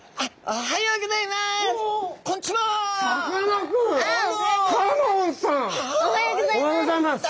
おはようございます。